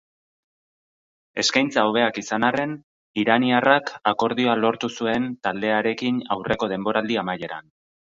Eskeintza hobeak izan arren, iraniarrak akordioa lortu zuen taldearekin aurreko denboraldi amaieran.